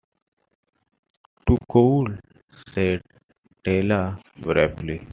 "Too cold," said Della briefly.